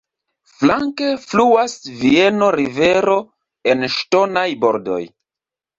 Flanke fluas Vieno-rivero en ŝtonaj bordoj.